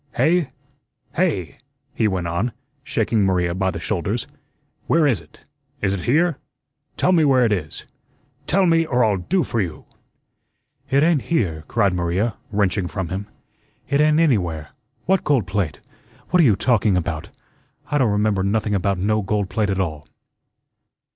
"Hey? hey?" he went on, shaking Maria by the shoulders. "Where is it? Is it here? Tell me where it is. Tell me, or I'll do for you!" "It ain't here," cried Maria, wrenching from him. "It ain't anywhere. What gold plate? What are you talking about? I don't remember nothing about no gold plate at all."